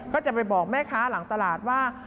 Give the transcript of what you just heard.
ก็จะไปบอกแม่ค้าหลังตลาดว่า